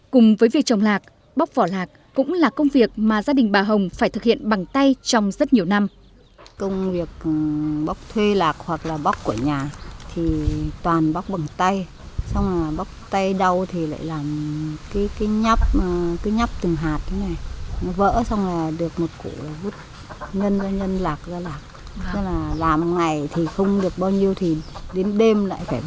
cùng với việc trồng lạc bóc vỏ lạc cũng là công việc mà gia đình bà hồng phải thực hiện bằng tay trong rất nhiều năm